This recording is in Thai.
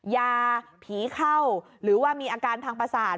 ยาผีเข้าหรือว่ามีอาการทางประสาท